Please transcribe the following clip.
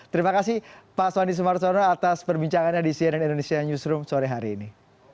terima kasih pak soni sumarsono atas perbincangannya di cnn indonesia newsroom sore hari ini